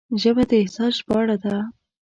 ژبه د احساس ژباړه ده